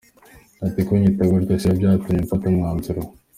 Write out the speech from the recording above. Ati “Kunyita gutyo sibyo byatumye mfata umwanzuro.